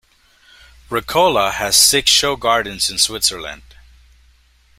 Ricola has six show gardens in Switzerland.